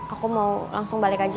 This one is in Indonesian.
aku mau langsung balik aja